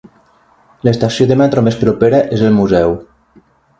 L'estació de metro més propera és el Museu.